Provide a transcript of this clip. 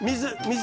水。